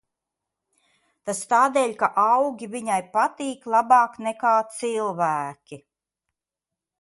Tas tādēļ, ka augi viņai patīk labāk nekā cilvēki.